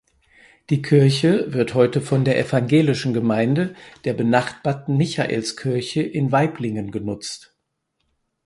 Die Kirche wird heute von der evangelischen Gemeinde der benachbarten Michaelskirche in Waiblingen genutzt.